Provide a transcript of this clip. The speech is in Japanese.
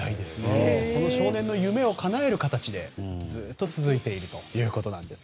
その少年の夢をかなえる形でずっと続いているということなんです。